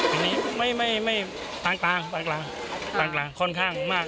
ปีนี้ไม่ไม่ไม่ต่างต่างต่างกลางต่างกลางค่อนข้างมาก